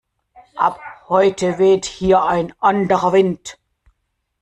Ab heute weht hier ein anderer Wind!